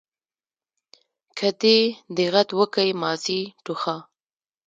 که دي دېغت وکئ ماضي ټوخه.